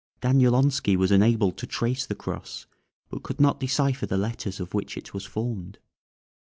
Danielonski was enabled to trace the cross, but could not decipher the letters of which it was formed.